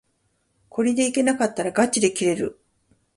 これでいけなかったらがちで切れる